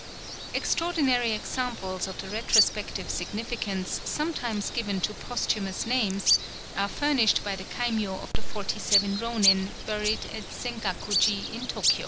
Extraordinary examples of the retrospective significance sometimes given to posthumous names, are furnished by the kaimyō of the Forty Seven Rōnin buried at Sengakuji in Tōkyō.